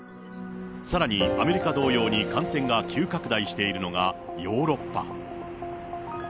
さらにアメリカ同様に感染が急拡大しているのがヨーロッパ。